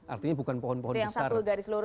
artinya bukan pohon pohon besar